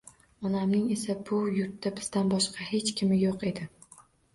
Onamning esa bu yurtda bizdan boshqa hech kimi yo`q edi